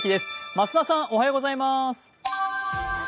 増田さん、おはようございます。